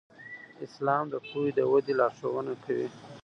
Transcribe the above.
اسلام د پوهې د ودې لارښوونه کوي.